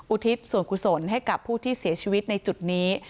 ทิศส่วนกุศลให้กับผู้ที่เสียชีวิตในจุดนี้